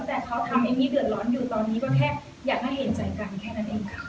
แต่เขาทำเอมมี่เดือดร้อนอยู่ตอนนี้ก็แค่อยากให้เห็นใจกันแค่นั้นเองค่ะ